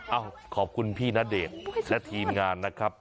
เอ้าขอบคุณพี่ณเดชน์และทีมงานนะครับ